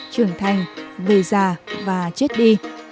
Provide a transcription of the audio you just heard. trưởng thành về già và chết đi